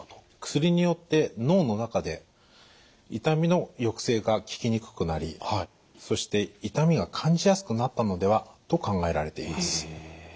薬によって脳の中で痛みの抑制が効きにくくなりそして痛みが感じやすくなったのではと考えられています。